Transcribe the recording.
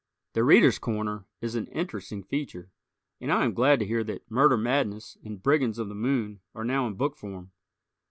"The Readers' Corner" is an interesting feature, and I am glad to hear that "Murder Madness" and "Brigands of the Moon" are now in book form.